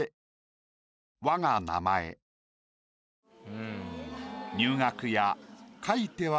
うん。